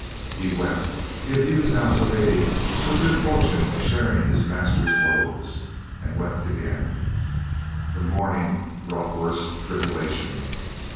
He wept; he abused Alci biade for the good fortune of sharing his master's woes, and wept again. The morning brought worse tribulation.